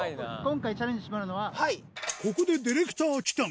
ここでディレクター北見